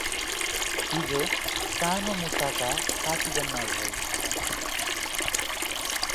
हिजो, सानो मुसाका, साथी जम्मा भए ।